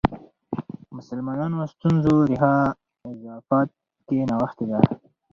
مسلمانانو ستونزو ریښه اضافات کې نغښې ده.